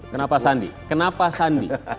kenapa sandi kenapa sandi